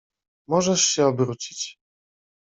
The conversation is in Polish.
Możesz się obrócić.